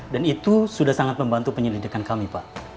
dan itu sudah sangat membantu penyelidikan kami pak